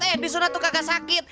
eh disunat tuh kagak sakit